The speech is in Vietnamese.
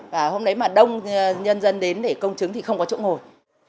và hôm đấy mà đông nhân dân đến để công chứng thì không có chỗ ngồi